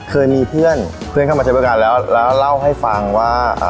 เคยมีเพื่อนเพื่อนเข้ามาเจอกันแล้วเล่าให้ฟังว่า